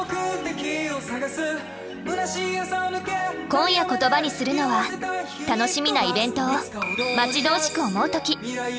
今夜言葉にするのは楽しみなイベントを待ち遠しく思う時。